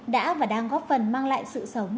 đã và đang góp phần mang lại sự sống